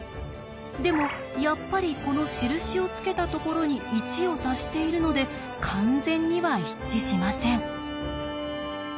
でもやっぱりこの印をつけたところに１を足しているので完全には一致しません。